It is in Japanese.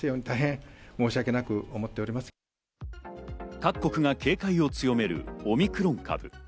各国が警戒を強めるオミクロン株。